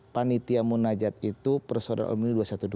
panitia munajat itu persaudara alumni dua ratus dua belas